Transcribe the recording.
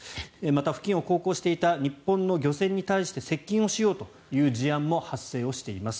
また付近を航行していた漁船に対して接近をしようという事案も発生しています